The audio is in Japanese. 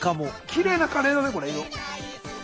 きれいなカレーだねこれ色。